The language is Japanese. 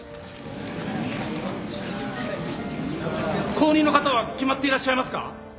後任の方は決まっていらっしゃいますか？